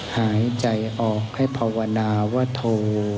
หายใจออกให้ภาวนาว่าโท